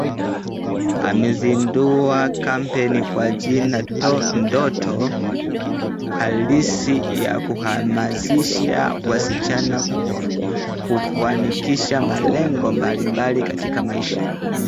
amezindua kampeni kwa jina ndoto halisi ya kuhamasisha wasichana kufanikisha malengo mbalimbali katika maisha